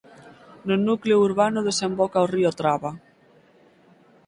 No núcleo urbano desemboca o río Traba.